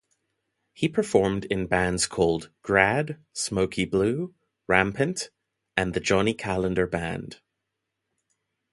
He performed in bands called Grad, Smokey Blue, Rampant, and the Johnny Kalendar Band.